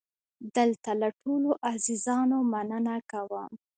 دلته له ټولو عزیزانو مننه کوم.